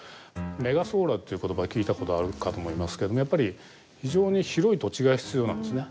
メガソーラーっていう言葉を聞いたことあるかと思いますけどもやっぱり非常に広い土地が必要なんですね。